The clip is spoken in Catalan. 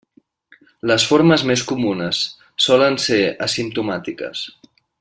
Les formes més comunes solen ser asimptomàtiques.